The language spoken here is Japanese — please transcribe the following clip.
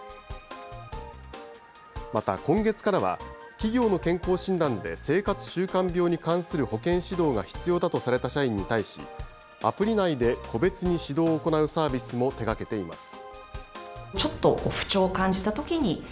また今月からは、企業の健康診断で生活習慣病に関する保健指導が必要だとされた社員に対し、アプリ内で個別に指導を行うサービスも手がけています。